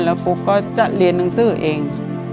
แล้วฟุ๊กก็จะเรียนหนังสือเอง